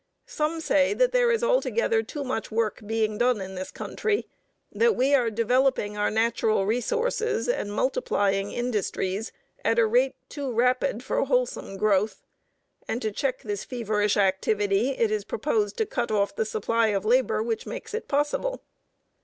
Some say that there is altogether too much work being done in this country that we are developing our natural resources and multiplying industries at a rate too rapid for wholesome growth; and to check this feverish activity it is proposed to cut off the supply of labor which makes it possible.